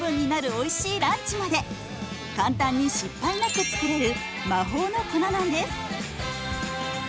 おいしいランチまで簡単に失敗なく作れる魔法の粉なんです。